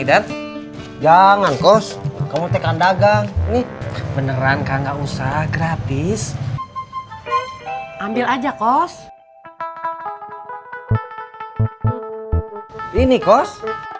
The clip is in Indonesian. idan jangan kos kamu tekan dagang nih beneran kak nggak usah gratis ambil aja kos ini kos